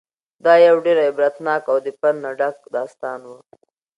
دا یو ډېر عبرتناک او د پند نه ډک داستان و.